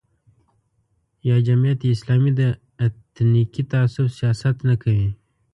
یا جمعیت اسلامي د اتنیکي تعصب سیاست نه کوي.